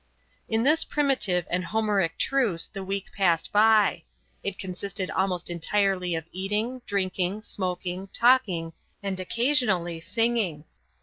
In this primitive and Homeric truce the week passed by; it consisted almost entirely of eating, drinking, smoking, talking, and occasionally singing.